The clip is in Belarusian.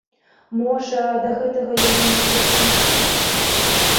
Можа, да гэтага яны найперш і імкнуліся?